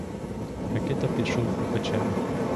Микита пішов у печеру.